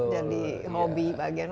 jadi hobi bagian